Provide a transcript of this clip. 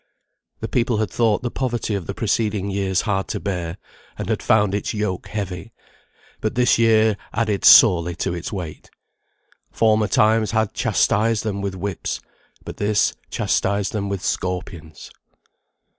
The people had thought the poverty of the preceding years hard to bear, and had found its yoke heavy; but this year added sorely to its weight. Former times had chastised them with whips, but this chastised them with scorpions.